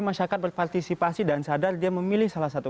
masyarakat berpartisipasi dan sadar dia memilih salah satu